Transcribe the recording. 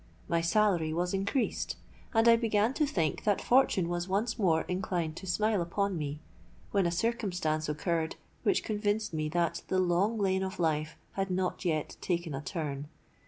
My salary was increased; and I began to think that fortune was once more inclined to smile upon me; when a circumstance occurred which convinced me that the long lane of life had not yet taken a turn.